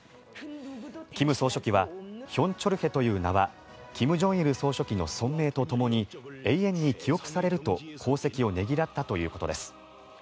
金総書記はヒョン・チョルヘという名は金正恩総書記の尊名とともに永遠に記憶されると功績をねぎらったということです。